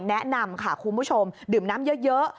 แนะนำค่ะคุณผู้ชมดื่มน้ำเยอะ